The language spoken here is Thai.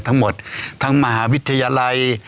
ทั้งหมดทั้งมหาวิทยาลัย